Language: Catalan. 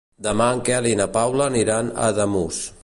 Demà en Quel i na Paula aniran a Ademús.